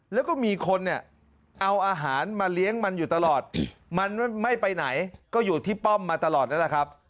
แล้วก็มีคนเนี่ยเอาอาหารมาเลี้ยงมันอยู่ตลอดมันไม่ไปไหนก็อยู่ที่ป้อมมาตลอดนั่นแหละครับ